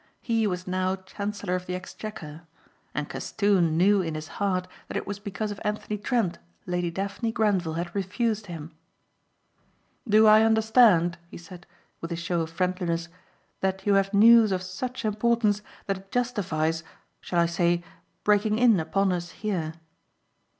He was now Chancellor of the Exchequer. And Castoon knew in his heart that it was because of Anthony Trent Lady Daphne Grenvil had refused him. "Do I understand," he said, with a show of friendliness, "that you have news of such importance that it justifies, shall I say breaking in upon us here?"